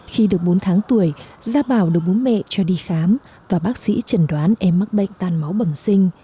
khi được bốn tháng tuổi gia bảo được bố mẹ cho đi khám và bác sĩ chẩn đoán em mắc bệnh tan máu bẩm sinh